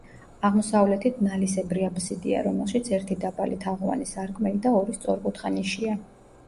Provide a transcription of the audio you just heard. აღმოსავლეთით ნალისებრი აბსიდია, რომელშიც ერთი დაბალი თაღოვანი სარკმელი და ორი სწორკუთხა ნიშია.